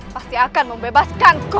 pasti akan membebaskanku